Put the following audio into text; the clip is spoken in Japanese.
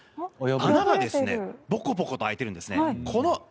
穴がボコボコと開いてるんですね。